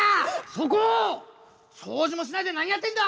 そうじもしないで何やってんだ！